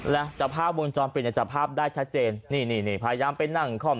และจับภาพวงจรเป็นจับภาพได้ชัดเจนนี่พยายามไปนั่งค่อม